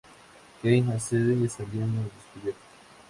Kane accede, saliendo al descubierto.